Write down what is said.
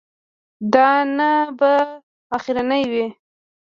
دا نه به اخرنی وي.